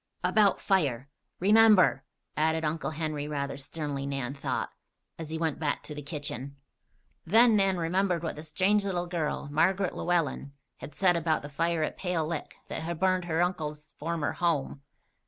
"About fire. Remember!" added Uncle Henry, rather sternly, Nan thought, as he went back to the kitchen. Then Nan remembered what the strange little girl, Margaret Llewellen, had said about the fire at Pale Lick that had burned her uncle's former home.